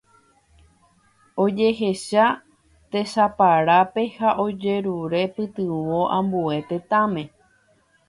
Ojehecha tesaparápe ha ojerure pytyvõ ambue tetãme.